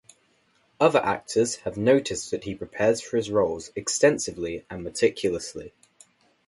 Other actors have noted that he prepares for his roles extensively and meticulously.